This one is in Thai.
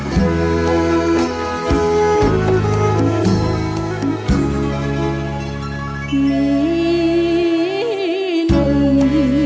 ฝากเพลงเพลง